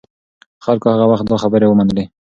خلکو هغه وخت دا خبرې ومنلې.